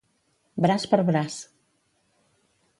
Braç per braç.